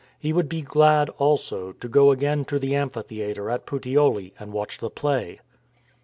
He would be glad, also, to go again to the amphitheatre at Puteoli and watch the play.